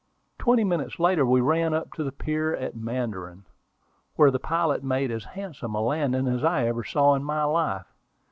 Twenty minutes later we ran up to the pier at Mandarin, where the pilot made as handsome a landing as I ever saw in my life.